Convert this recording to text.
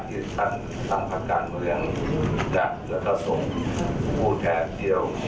ครับนั่นยึดหมันอะไรนะครับ